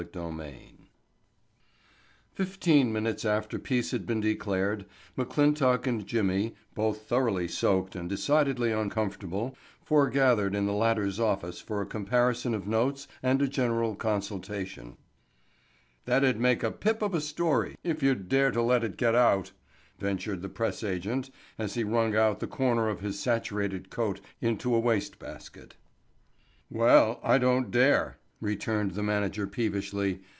Chapter Ten Fifteen minutes after peace had been declared McClintock and Jimmy, both thoroughly soaked and decidedly uncomfortable, foregathered in the latter's office for a comparison of notes and a general consultation. "That'd make a pippin' of a story if you'd dare to let it get out," ventured the press agent as he wrung out the corner of his saturated coat into a waste basket. "Well, I don't take the dare," returned the manager peevishly.